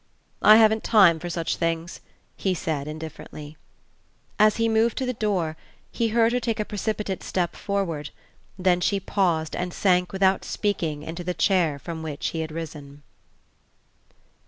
"I haven't time for such things," he said, indifferently. As he moved to the door he heard her take a precipitate step forward; then she paused and sank without speaking into the chair from which he had risen.